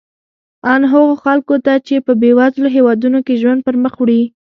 ان هغو خلکو ته چې په بېوزلو هېوادونو کې ژوند پرمخ وړي.